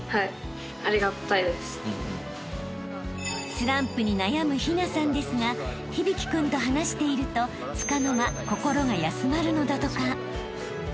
［スランプに悩む陽奈さんですが響生君と話しているとつかの間心が休まるのだとか］